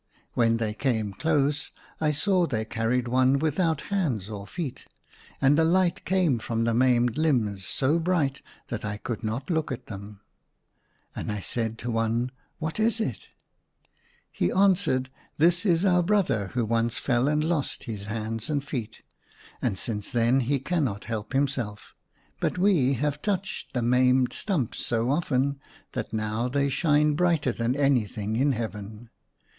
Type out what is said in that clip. When they came close I saw they carried one without hands or feet. And a light came from the maimed limbs so bright that I could not look at them. ACROSS MY BED. 167 And I said to one, " What is it ?" He answered, " This is our brother who once fell and lost his hands and feet, and since then he cannot help him self ; but we have touched the maimed stumps so often that now they shine brighter than anything in Heaven.